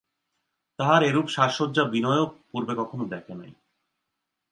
তাহার এরূপ সাজসজ্জা বিনয়ও পূর্বে কখনো দেখে নাই।